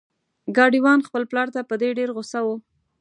ګاډی وان خپل پلار ته په دې ډیر غوسه و.